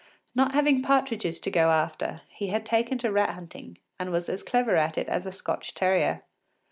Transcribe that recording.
Not having partridges to go after, he had taken to rat hunting, and was as clever at it as a Scotch terrier.